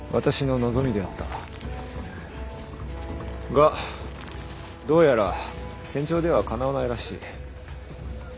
がどうやら戦場ではかなわないらしい。